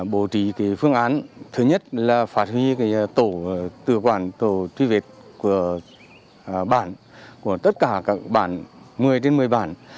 bố trí phương án thứ nhất là phát huy tổ tự quản tổ truy vết của bản của tất cả các bản một mươi trên một mươi bản